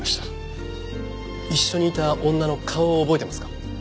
一緒にいた女の顔を覚えてますか？